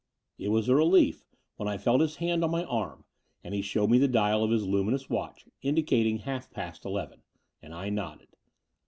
It was a relief when I felt his hand on my arm, and he showed me the dial of his luminous watch, indicating half past eleven; and I nodded.